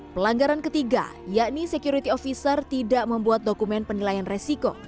pelanggaran ketiga yakni security officer tidak membuat dokumen penilaian resiko